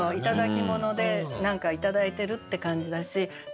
頂き物で何か頂いてるって感じだし。